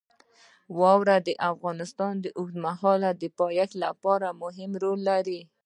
واوره د افغانستان د اوږدمهاله پایښت لپاره مهم رول لري.